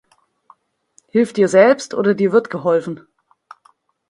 Hilf dir selbst, oder dir wird geholfen.